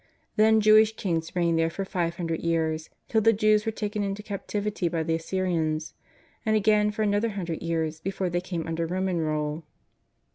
Then Jewish kings reigned there for five hundred years, till the Jews were taken into captivity by the Assyrians, and again for another hundred years before they came under Roman rule.